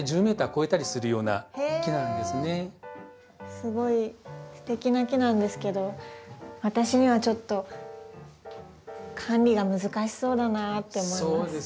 すごいステキな木なんですけど私にはちょっと管理が難しそうだなって思います。